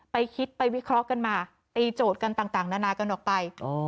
ไปคิดไปวิเคราะห์กันมาตีโจทย์กันต่างนานากันออกไป